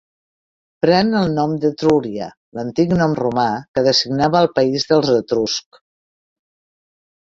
Pren el nom d'Etrúria, l'antic nom romà que designava el país dels Etruscs.